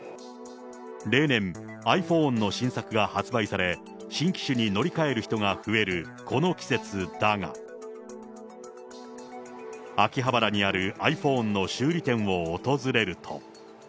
例年、ｉＰｈｏｎｅの新作が発売され、新機種に乗り換える人が増えるこの季節だが、秋葉原にあるｉＰｈｏｎｅの修理店を訪れると。